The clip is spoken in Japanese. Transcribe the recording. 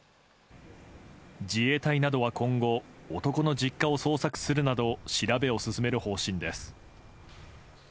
自衛隊などは今後男の実家を捜索するなど調べを進める方針です。